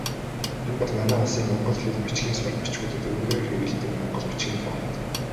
Энэ бол манай улсын монгол хэл, бичгийн сурах бичгүүдэд өргөнөөр хэрэглэдэг монгол бичгийн фонт.